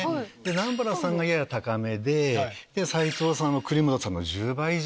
南原さんがやや高めで斉藤さんは国本さんの１０倍以上。